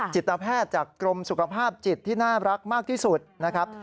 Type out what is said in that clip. จิตแพทย์จากกรมสุขภาพจิตที่น่ารักมากที่สุดนะครับ